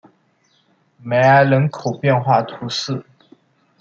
梅埃人口变化图示